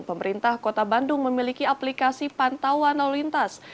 pemerintah kota bandung memiliki aplikasi pantauan lalu lintas